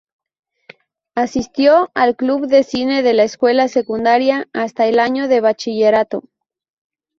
Asistió al club de cine de la escuela secundaria hasta el año de bachillerato.